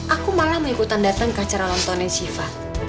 aku malah mau ikutan datang ke acara lontongnya siva